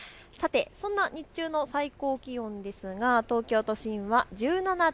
日中の最高気温ですが、東京都心は１７．８度。